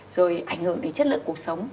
rồi ảnh hưởng đến chất lượng cuộc sống